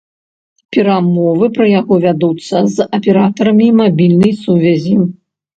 Перамовы пра яго вядуцца з аператарамі мабільнай сувязі.